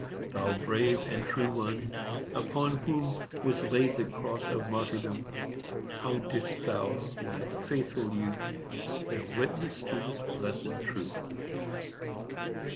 Thou brave and true one, upon whom Was laid the Cross of Martyrdom, How didst thou, in thy faithful youth, Bear witness to this blessed truth!